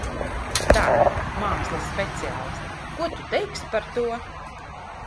Tā, mākslas speciāliste, ko tu teiksi par to?